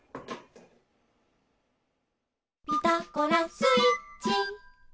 「ピタゴラスイッチ」